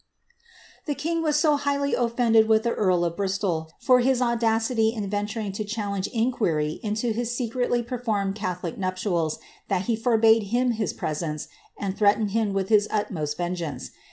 The king was so highly ofiended with the earl of Bristol, for his au ity in venturing to challenge inquiry into his secretly performed eatholic nuptials, that he forbade him his presence, and threatened him mh his utmost vengeance.